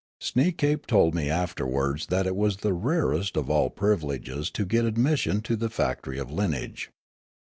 Sneekape told me afterwards that it was the rarest of all privileges to get admission to the factory' of lineage.